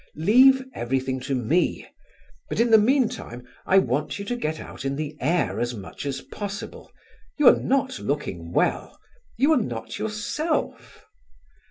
"Leave everything to me, but in the meantime I want you to get out in the air as much as possible. You are not looking well; you are not yourself."